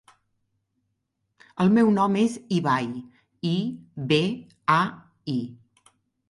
El meu nom és Ibai: i, be, a, i.